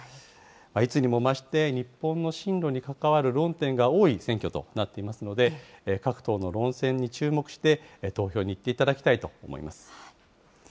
いつにも増して日本の針路に関わる論点が多い選挙となっていますので、各党の論戦に注目して、投票に行っていただきたいと思います。